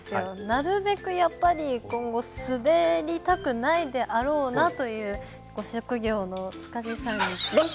なるべく今後滑りたくないであろうなというご職業の塚地さんに。